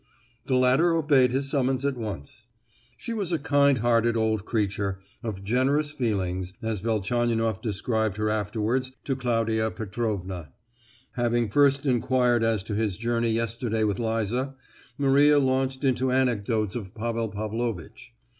The latter obeyed his summons at once. She was a kind hearted old creature, of generous feelings, as Velchaninoff described her afterwards to Claudia Petrovna. Having first enquired as to his journey yesterday with Liza, Maria launched into anecdotes of Pavel Pavlovitch.